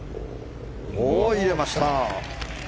入れました！